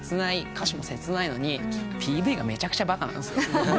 歌詞も切ないのにＰＶがめちゃくちゃバカなんすよ。